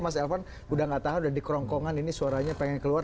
mas elvan udah gak tahan udah di kerongkongan ini suaranya pengen keluar